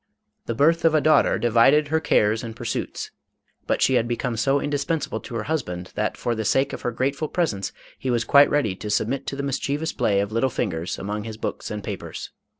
The birth of a daughter divided her cares and MADAME ROLAND. 495 pursuits, but she had become so indispensable to her husband, that for the sake of her grateful presence he was quite ready to submit to the mischievous play of little fingers among his books and papers.